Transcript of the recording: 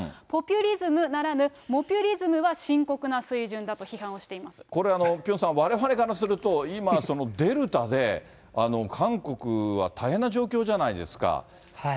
ポピュリズムならぬモピュリズムは深刻な水準だと、批判をしていこれは、ピョンさん、われわれからすると、今、デルタで韓国は大変な状況じゃないですか。